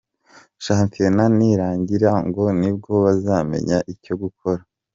Shampiona nirangira ngo ni bwo bazamenya icyo gukora .